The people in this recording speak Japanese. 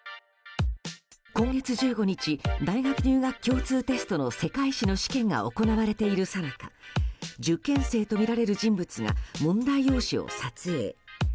今月１５日大学入学共通テストの世界史の試験が行われているさなか受験生とみられる人物が問題用紙を撮影。